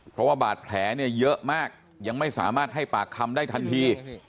เพราะว่าบาดแผลเนี่ยเยอะมากยังไม่สามารถให้ปากคำได้ทันที